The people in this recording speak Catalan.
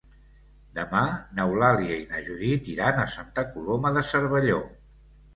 Demà n'Eulàlia i na Judit iran a Santa Coloma de Cervelló.